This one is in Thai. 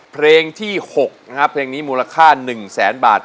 เพลงที่๖นะครับเพลงนี้มูลค่า๑แสนบาท